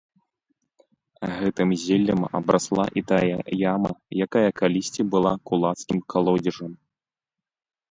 Гэтым зеллем абрасла і тая яма, якая калісьці была кулацкім калодзежам.